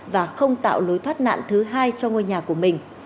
và không tạo lối thoát nạn thứ hai cho ngôi nhà của mình